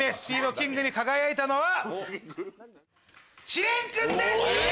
キングに輝いたのは知念君です！